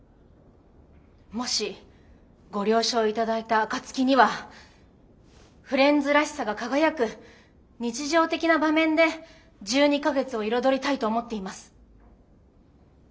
もしご了承頂いた暁にはフレンズらしさが輝く日常的な場面で１２か月を彩りたいと思っています。